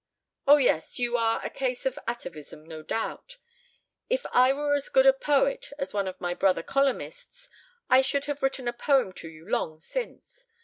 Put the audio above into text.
"Oh, yes, you are a case of atavism, no doubt. If I were as good a poet as one of my brother columnists I should have written a poem to you long since.